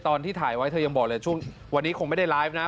ตอนที่ถ่ายไว้เธอยังบอกเลยช่วงวันนี้คงไม่ได้ไลฟ์นะ